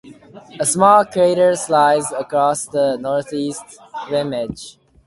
A small crater lies across the northeast rim edge.